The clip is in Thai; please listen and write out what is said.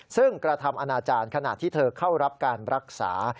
ซึ่งกระทำอนาจารย์ขณะที่เธอเข้ารับการรักษา